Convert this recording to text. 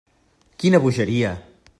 Quina bogeria!